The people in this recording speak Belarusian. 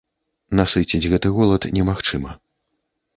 Насыціць гэты голад немагчыма.